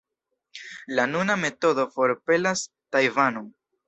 La nuna metodo forpelas Tajvanon.